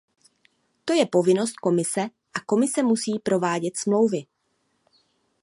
To je povinnost Komise a Komise musí provádět smlouvy.